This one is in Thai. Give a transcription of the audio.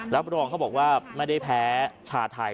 รับรองเขาบอกว่าไม่ได้แพ้ชาไทย